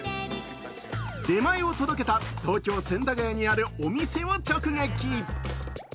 手前を届けた、東京・千駄ヶ谷にあるお店を直撃。